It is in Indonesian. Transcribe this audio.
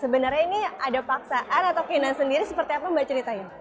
sebenarnya ini ada paksaan atau keinan sendiri seperti apa mbak ceritanya